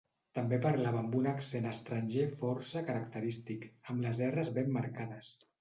També parlava amb un accent estranger força característic, amb les erres ben marcades.